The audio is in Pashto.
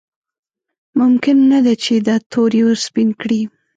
ممکن نه ده چې دا تور یې ورسپین کړي.